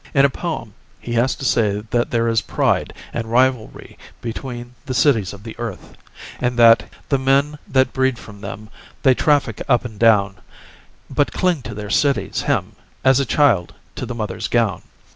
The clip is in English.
In a poem he has to say that there is pride and rivalry between the cities of the earth, and that "the men that breed from them, they traffic up and down, but cling to their cities' hem as a child to the mother's gown."